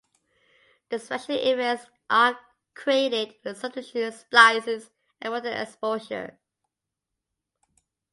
The special effects are created with substitution splices and multiple exposures.